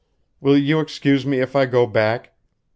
"Will you excuse me if I go back?